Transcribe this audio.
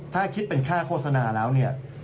ถ้าคิดเป็นค่าโฆษณาแล้วเนี่ย